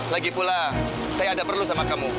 lagipula saya ada perlu sama kamu